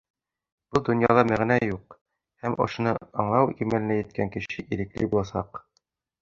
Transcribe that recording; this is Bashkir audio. Был донъяла мәғәнә юҡ, һәм ошоно аңлау кимәленә еткән кеше ирекле буласаҡ.